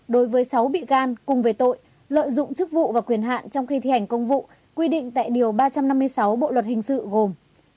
đối với sáu bị can cùng về tội lợi dụng chức vụ và quyền hạn trong khi thi hành công vụ quy định tại điều ba trăm năm mươi sáu bộ luật hình sự gồm